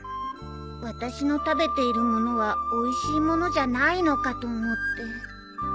私の食べている物はおいしい物じゃないのかと思って。